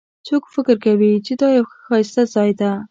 څوک فکر کوي چې دا یو ښایسته ځای ده